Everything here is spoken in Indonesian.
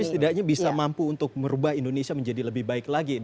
tapi setidaknya bisa mampu untuk merubah indonesia menjadi lebih baik lagi